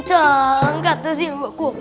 tidak ada sih mbakku